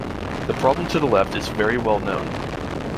The problem to the left is very well known.